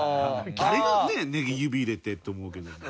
誰がねネギ指入れてって思うけど。